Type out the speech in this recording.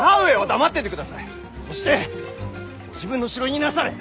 そして自分の城にいなされ！